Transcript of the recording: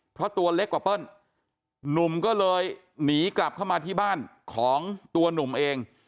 เพราะตัวเล็กกว่าเปิ้ลหนุ่มก็เลยหนีกลับเข้ามาที่บ้านของตัวหนุ่มเอง